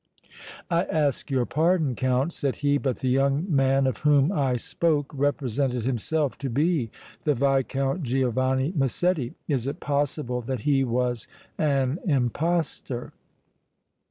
"I ask your pardon, Count," said he, "but the young man of whom I spoke represented himself to be the Viscount Giovanni Massetti. Is it possible that he was an impostor?"